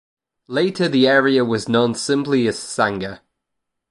Later the area was known simply as Sanger.